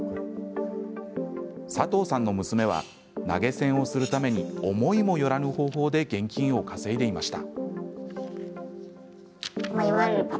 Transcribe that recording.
佐藤さんの娘は投げ銭をするために思いもよらぬ方法で現金を稼いでいました。